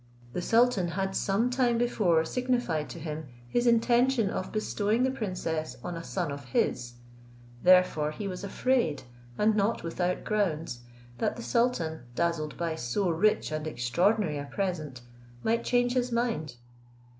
The sultan had some time before signified to him his intention of bestowing the princess on a son of his; therefore he was afraid, and not without grounds, that the sultan, dazzled by so rich and extraordinary a present, might change his mind.